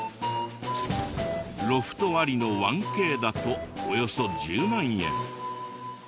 ロフトありの１Ｋだとおよそ１０万円。